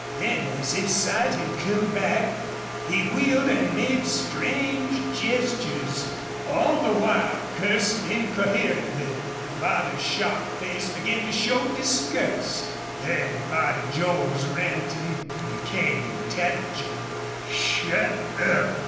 Then, as if sight had come back, he wheeled and made strange gestures, all the while cursing incoherently. The father's shocked face began to show disgust. Then part of Joel's ranting became intelligible. "Shut up!"